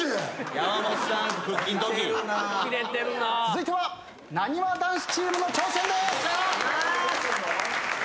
続いてはなにわ男子チームの挑戦です！